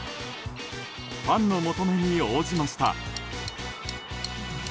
ファンの求めに応じました。